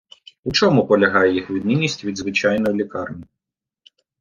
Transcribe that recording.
У чому полягає їх відмінність від звичайної лікарні?